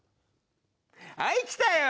はいきたよ！